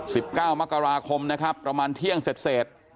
สิบเก้ามกราคมนะครับประมาณเที่ยงเสร็จเสร็จ